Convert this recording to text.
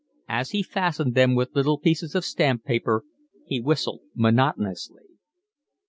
As he fastened them with little pieces of stamp paper he whistled monotonously.